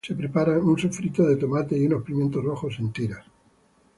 Se preparan un sofrito de tomate y unos pimientos rojos en tiras.